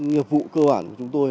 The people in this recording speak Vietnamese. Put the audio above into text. nhiệm vụ cơ bản của chúng tôi